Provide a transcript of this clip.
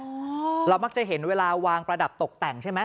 เรามักจะเห็นเวลาวางประดับตกแต่งใช่ไหม